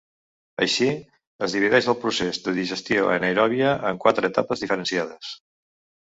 Així, es divideix el procés de digestió anaeròbia en quatre etapes diferenciades.